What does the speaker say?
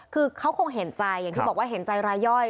คือเขาคงเห็นใจอย่างที่บอกว่าเห็นใจรายย่อย